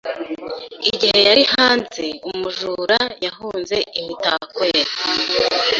Igihe yari hanze, umujura yahunze imitako ye.